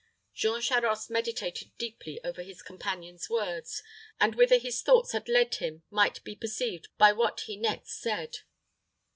Jean Charost meditated deeply over his companion's words, and whither his thoughts had led him might be perceived by what he next said.